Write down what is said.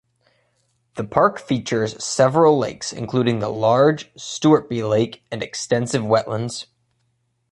The park features several lakes including the large Stewartby Lake and extensive wetlands.